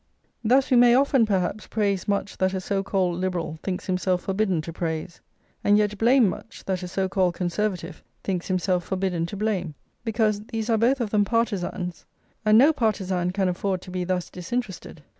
Thus we may often, perhaps, praise much that a so called Liberal thinks himself forbidden to praise, and yet blame much that a so called Conservative thinks himself forbidden to blame, because these are both of them partisans, and no partisan can afford to be thus disinterested.